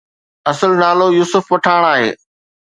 اصل نالو يوسف پٺاڻ آهي